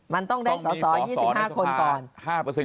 มันต้องได้สอสอ๒๕คนก่อน